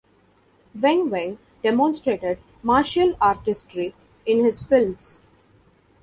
Weng Weng demonstrated martial artistry in his films.